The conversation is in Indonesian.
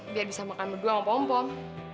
biar bisa makan berdua sama pom pom